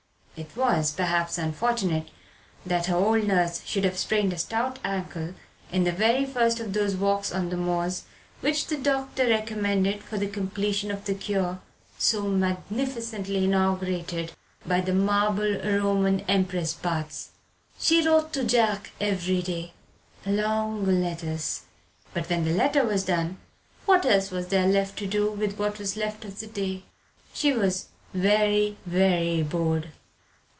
It was, perhaps, unfortunate that her old nurse should have sprained a stout ankle in the very first of those walks on the moors which the Doctor recommended for the completion of the cure so magnificently inaugurated by the Marble Roman Empress baths. She wrote to her John every day. Long letters. But when the letter was done, what else was there left to do with what was left of the day? She was very, very bored.